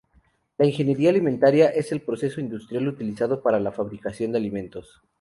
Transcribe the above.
La ingeniería alimentaria es el proceso industrial utilizado para la fabricación de alimentos.